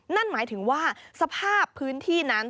นั่นหมายถึงว่าสภาพพื้นที่นั้น